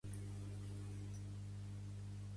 Telefona a l'Amjad Santillana.